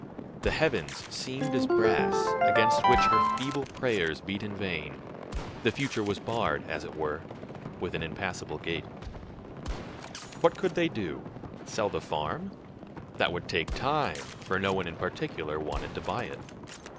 The heavens seemed as brass, against which her feeble prayers beat in vain; the future was barred, as it were, with an impassable gate. What could they do? Sell the farm? That would take time; for no one in particular wanted to buy it.